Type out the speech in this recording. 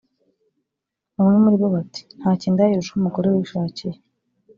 Bamwe muri bo bati “Ntacyo indaya irusha umugore wishakiye